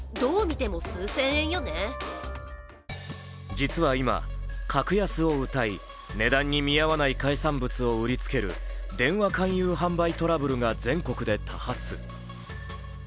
実は今、格安をうたい、値段に見合わない海産物を売りつける電話勧誘販売トラブルが全国で多発。